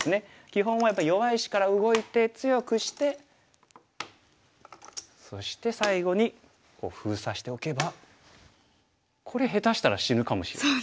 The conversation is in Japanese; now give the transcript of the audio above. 基本はやっぱり弱い石から動いて強くしてそして最後に封鎖しておけばこれ下手したら死ぬかもしれない。